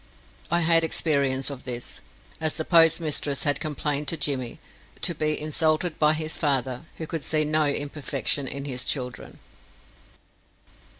I had experience of this, as the postmistress had complained of Jimmy, to be insulted by his father, who could see no imperfection in his children.